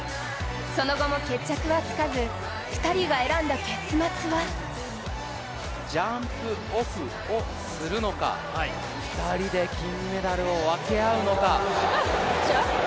その後も決着はつかず、２人が選んだ結末はジャンプオフをするのか２人で金メダルを分け合うのか。